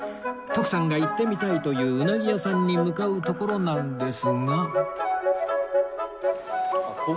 徳さんが行ってみたいといううなぎ屋さんに向かうところなんですが